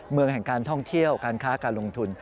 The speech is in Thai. เมืองแห่งการท่องเที่ยวการค้าการลงทุน